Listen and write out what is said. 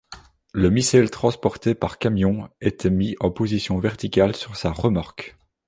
Le missile transporté par camion était mis en position verticale sur sa remorque.